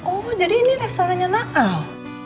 oh jadi ini restorannya nakal